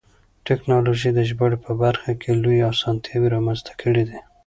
تکنالوژي د ژباړې په برخه کې لویې اسانتیاوې رامنځته کړې دي.